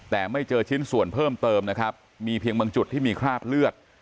แต่ไม่เจอชิ้นส่วนเพิ่มเติมนะครับมีเพียงบางจุดที่มีคราบเลือด